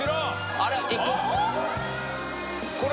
あれ？